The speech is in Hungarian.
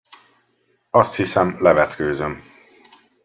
Azt hiszem, levetkőzöm.